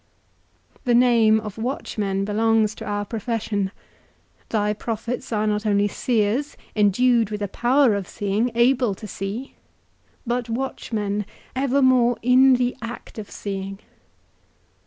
The name of watchmen belongs to our profession; thy prophets are not only seers, endued with a power of seeing, able to see, but watchmen evermore in the act of seeing.